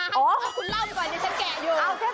คุณเล่าดีกว่าหนึ่งแต่เดี๋ยว